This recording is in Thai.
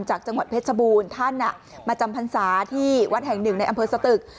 จากจังหวัดเพชรบูรณ์ท่านมาจำพรรษาที่วัดแห่งหนึ่งในอำเภอสตึก